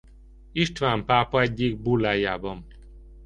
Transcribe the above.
István pápa egyik bullájában.